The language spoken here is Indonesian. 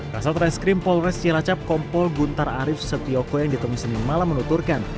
kasat reskrim polres cilacap kompol guntar arief setioko yang ditemui senin malam menuturkan